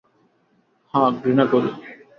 হাঁ, ঘৃণা করি।